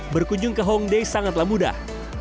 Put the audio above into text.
berkunjung ke hongday sangatlah mudah